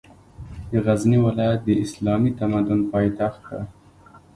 د غزني ولایت د اسلامي تمدن پاېتخت ده